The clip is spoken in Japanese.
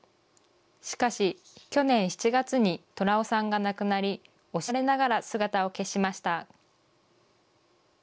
しかし、去年７月に虎雄さんが亡くなり、惜しまれながら姿を消しました。